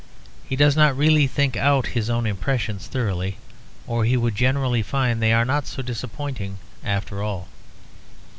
He does not really think out his own impressions thoroughly; or he would generally find they are not so disappointing after all.